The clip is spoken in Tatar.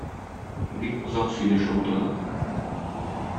Бик озак сөйләшеп утырдык.